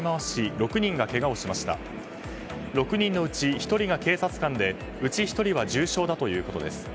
６人のうち１人が警察官でうち１人は重傷だということです。